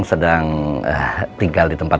sedang tinggal di tempat